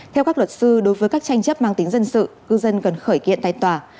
theo các luật sư đối với các tranh chấp mang tính dân sự cư dân cần khởi kiện tại tòa